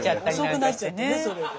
遅くなっちゃってねそれで。